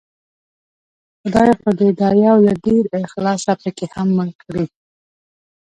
خدای خو دې دا يو له ډېر اخلاصه پکې هم مړ کړي